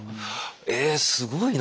えすごいな！